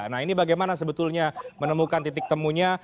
nah ini bagaimana sebetulnya menemukan titik temunya